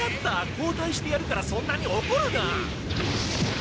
交代してやるからそんなにおこるな。